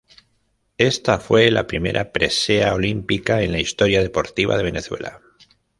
Esta fue la primera presea olímpica en la historia deportiva de Venezuela.